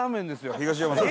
東山さん。